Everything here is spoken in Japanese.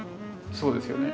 そうですよね。